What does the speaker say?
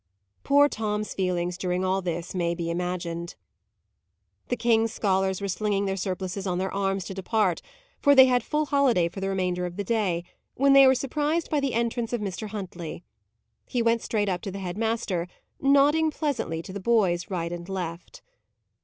Poor Tom's feelings, during all this, may be imagined. The king's scholars were slinging their surplices on their arms to depart, for they had full holiday for the remainder of the day, when they were surprised by the entrance of Mr. Huntley. He went straight up to the head master, nodding pleasantly to the boys, right and left.